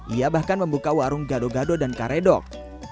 ia bahkan membuka warung gado gado dan karedok